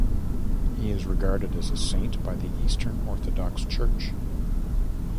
He is regarded as a Saint by the Eastern Orthodox Church.